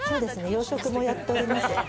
洋食もやっております。